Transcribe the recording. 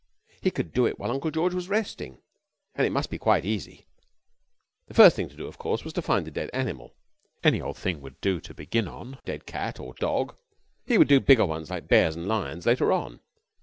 He could do it while Uncle George was resting. And it must be quite easy. The first thing to do of course was to find a dead animal. Any old thing would do to begin on. A dead cat or dog. He would do bigger ones like bears and lions later on.